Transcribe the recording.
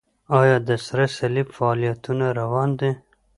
آیا د سره صلیب فعالیتونه روان دي؟